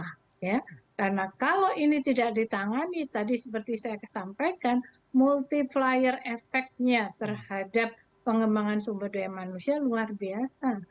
karena kalau ini tidak ditangani tadi seperti saya kesampaikan multiplier efeknya terhadap pengembangan sumber daya manusia luar biasa